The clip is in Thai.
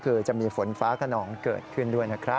คือจะมีฝนฟ้าขนองเกิดขึ้นด้วยนะครับ